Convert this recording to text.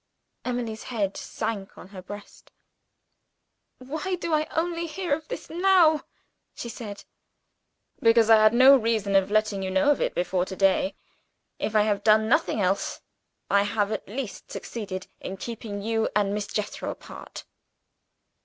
Emily's head sank on her breast. "Why do I only hear of this now?" she said. "Because I had no reason for letting you know of it, before to day. If I have done nothing else, I have at least succeeded in keeping you and Miss Jethro apart."